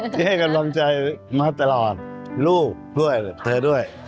ที่ให้กำลังใจมาตลอดลูกด้วยเธอด้วย